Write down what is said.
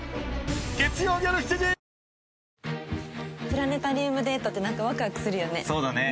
プラネタリウムデートって何かわくわくするよね。